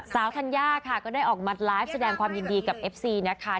ธัญญาค่ะก็ได้ออกมาไลฟ์แสดงความยินดีกับเอฟซีนะคะ